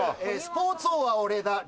『スポーツ王は俺だ！！』